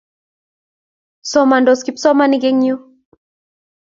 Somandos kipsomaninik eng' yun